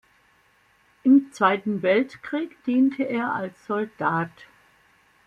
Im Zweiten Weltkrieg diente er als Soldat.